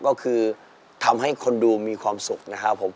ก็คือทำให้คนดูมีความสุขนะครับผม